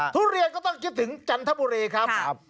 ทุเรียนก็ต้องคิดถึงจันทบุรีครับ